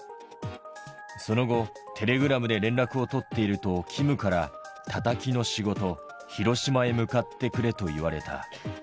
その後、テレグラムで連絡を取っていると、キムから、タタキの仕事、広島へ向かってくれと言われた。